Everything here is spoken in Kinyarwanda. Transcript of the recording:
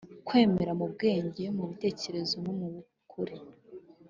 kwemera mu bwenge mu bitekerezo no mu kuri